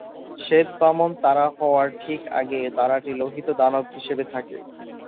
শ্বেত বামন তারা হওয়ার ঠিক আগে তারাটি লোহিত দানব হিসেবে থাকে।